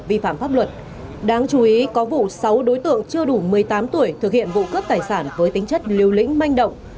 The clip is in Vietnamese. vi phạm pháp luật đáng chú ý có vụ sáu đối tượng chưa đủ một mươi tám tuổi thực hiện vụ cướp tài sản với tính chất liều lĩnh manh động